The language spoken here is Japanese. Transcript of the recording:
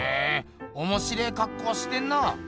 おもしれえかっこしてんな。